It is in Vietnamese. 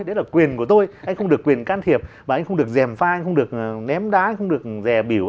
đấy là quyền của tôi anh không được quyền can thiệp anh không được dèm pha anh không được ném đá anh không được dè biểu